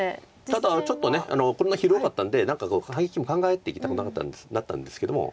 ただちょっとこんな広かったんで何か反撃も考えていきたくなったんですけども。